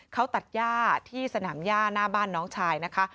เขาตัดย่าที่สนามย่าหน้าบ้านน้องชายนะคะ